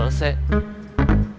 padahal saya buka ini